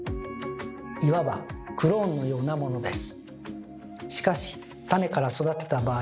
いわばクローンのようなものです。